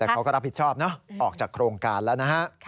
แต่เขาก็รับผิดชอบเนอะออกจากโครงการแล้วนะฮะ